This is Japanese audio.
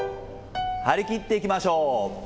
張り切っていきましょう。